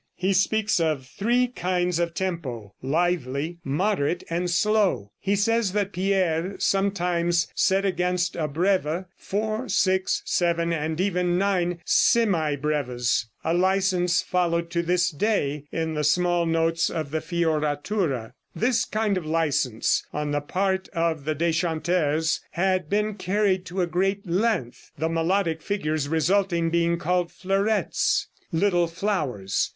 He speaks of three kinds of tempo lively, moderate and slow. He says that Pierre sometimes set against a breve four, six, seven and even nine semibreves a license followed to this day in the small notes of the fioratura. This kind of license on the part of the deschanteurs had been carried to a great length, the melodic figures resulting being called "fleurettes" ("little flowers").